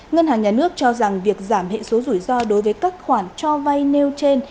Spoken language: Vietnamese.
ngân hàng nhà nước cho rằng việc giảm hệ số rủi ro đối với các khoản cho vay nêu trên